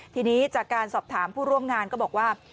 ทีนี้จากการสอบถามผู้ร่วมงานก็บอกว่า